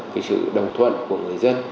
cái sự đồng thuận của người dân